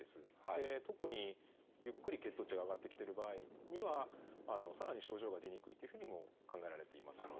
特にゆっくり血糖値が上がってきてる場合にはさらに症状が出にくいというふうにも考えられています。